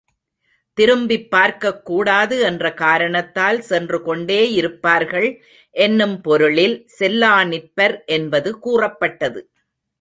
திரும்பிப் பார்க்கக் கூடாது என்ற காரணத்தால் சென்று கொண்டே இருப்பார்கள் என்னும் பொருளில் செல்லாநிற்பர் என்பது கூறப்பட்டது.